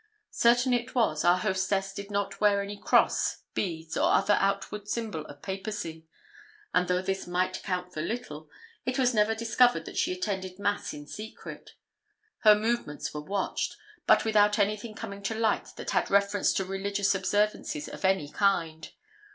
Certain it was, our hostess did not wear any cross, beads, or other outward symbol of Papacy. And though this might count for little, it was never discovered that she attended mass in secret. Her movements were watched, but without anything coming to light that had reference to religious observances of any kind.